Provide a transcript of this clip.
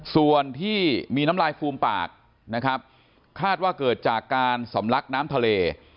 ส่วนที่มีน้ำลายฟูมปากนะครับคาดว่าเกิดจากการสำลักน้ำทะเล